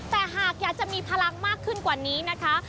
แต่หากอยากจะมีพลังมากขึ้นกว่านี้นะคะ